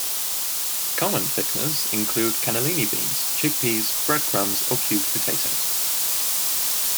Common thickeners include cannellini beans, chickpeas, breadcrumbs or cubed potatoes.